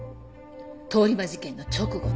通り魔事件の直後ね。